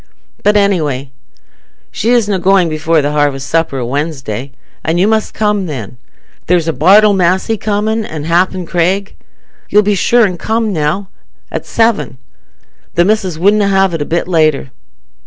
But, anyway, she isna going before the harvest supper o' Wednesday, and you must come then. There's Bartle Massey comin', an' happen Craig. You'll be sure an' come, now, at seven? The missis wunna have it a bit later."